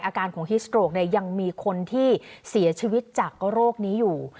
อาการของฮิสโตรกยังมีคนที่เสียชีวิตจากโรคนี้อยู่